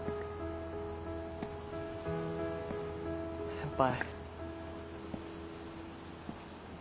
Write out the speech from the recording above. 先輩。